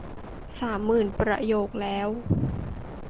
สามหมื่นประโยคแล้ว